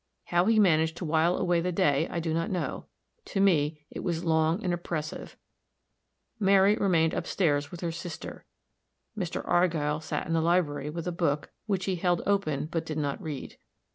How he managed to while away the day I do not know; to me it was long and oppressive; Mary remained up stairs with her sister; Mr. Argyll sat in the library with a book, which he held open but did not read.